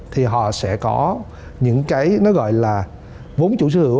thì họ sẽ có những cái nó gọi là vốn chủ sở hữu